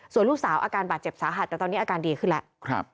ส่วนลูกสาวอาการบาดเจ็บสาหัสแต่ตอนนี้อาการดีขึ้นแล้ว